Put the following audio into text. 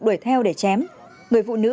đuổi theo để chém người phụ nữ